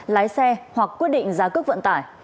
lái xe hoặc quyết định giá cước vận tải